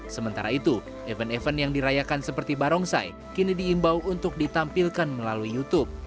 sementara itu event event yang dirayakan seperti barongsai kini diimbau untuk ditampilkan melalui youtube